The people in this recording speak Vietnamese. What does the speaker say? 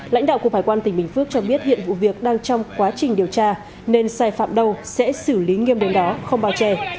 lãnh đạo cục hải quan tỉnh bình phước cho biết hiện vụ việc đang trong quá trình điều tra nên sai phạm đâu sẽ xử lý nghiêm đến đó không bao che